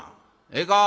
ええか？